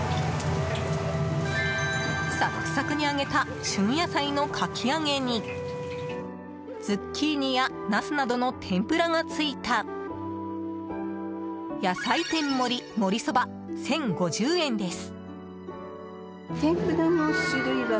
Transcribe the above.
サクサクに揚げた旬野菜のかき揚げにズッキーニやナスなどの天ぷらが付いた野菜天盛りもりそば１０５０円です。